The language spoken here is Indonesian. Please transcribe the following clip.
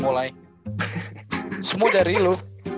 mulai semua dari lu